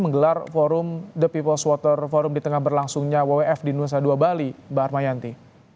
menggelar forum the peoples water forum di tengah berlangsungnya wwf di nusa dua bali mbak armayanti